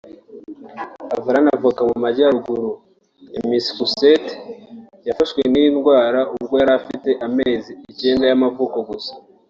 Avalanna uvuka mu majyaruguru ya Masschusettes yafashwe n’iyi ndwara ubwo yari afite amezi icyenda y’amavuko gusa